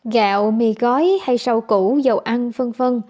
gạo mì gói hay sâu củ dầu ăn v v